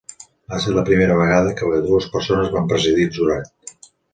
Va ser la primera vegada que dues persones van presidir el jurat.